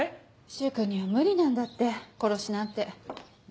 柊君には無理なんだって殺しなんて。